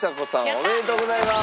おめでとうございます！